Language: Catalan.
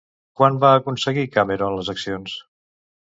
Quan va aconseguir Cameron les accions?